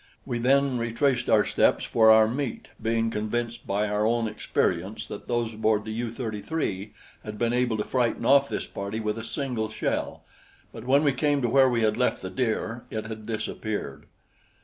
We then retraced our steps for our meat being convinced by our own experience that those aboard the U 33 had been able to frighten off this party with a single shell but when we came to where we had left the deer it had disappeared.